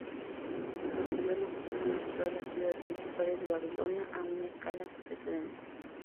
Reconstruyó lujosamente todas las ciudades principales de Babilonia a una escala sin precedentes.